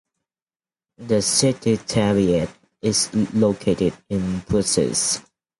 The Secretariat is located in Brussels.